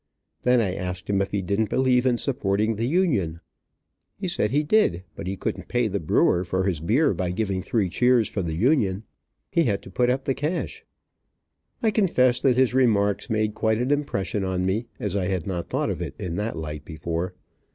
Then I asked him if he didn't believe in supporting the Union. He said he did, but he couldn't pay the brewer for his beer by giving three cheers for the Union. He had to put up cash. I confess that his remarks made quite an impression on me, as I had not thought of it in that light before.